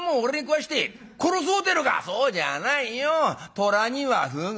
虎にはふぐ」。